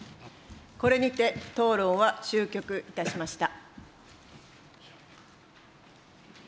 これにて討論は終局いたしました。